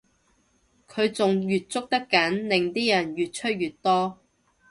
佢仲越捉得緊令啲人越出越多